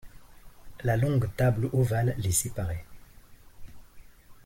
La longue table ovale les séparait.